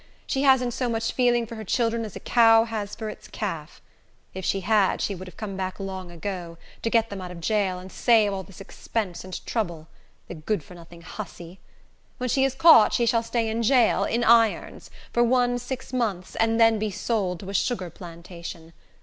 She hasn't so much feeling for her children as a cow has for its calf. If she had, she would have come back long ago, to get them out of jail, and save all this expense and trouble. The good for nothing hussy! When she is caught, she shall stay in jail, in irons, for one six months, and then be sold to a sugar plantation.